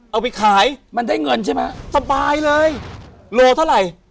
เอาไปขายมันได้เงินใช่ไหมสบายเลยโลเท่าไหร่